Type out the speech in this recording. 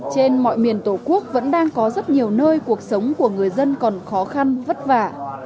trên mọi miền tổ quốc vẫn đang có rất nhiều nơi cuộc sống của người dân còn khó khăn vất vả